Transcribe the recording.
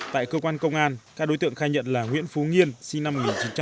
tại cơ quan công an các đối tượng khai nhận là nguyễn phú nghiên sinh năm một nghìn chín trăm tám mươi